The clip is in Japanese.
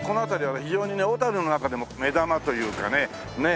非常にね小の中でも目玉というかねねっ。